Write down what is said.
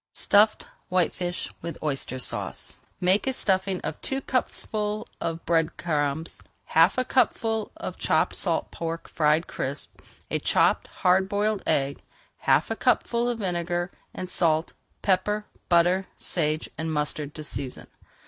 STUFFED WHITEFISH WITH OYSTER SAUCE Make a stuffing of two cupfuls of bread crumbs, half a cupful of chopped salt pork fried crisp, a chopped hard boiled egg, half a cupful of vinegar, and salt, pepper, butter, sage, and mustard to season.